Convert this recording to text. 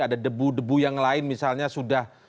ada debu debu yang lain misalnya sudah